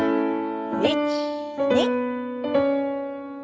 １２。